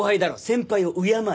先輩を敬え！